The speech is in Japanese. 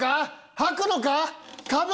はくのか？